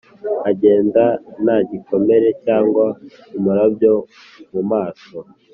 agenda nta gikomere, cyangwa umurabyo mu maso,